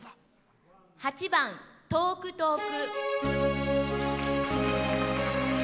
８番「遠く遠く」。